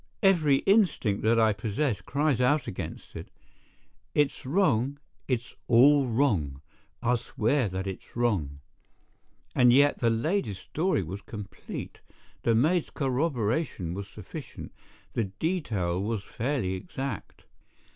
Every instinct that I possess cries out against it. It's wrong—it's all wrong—I'll swear that it's wrong. And yet the lady's story was complete, the maid's corroboration was sufficient, the detail was fairly exact.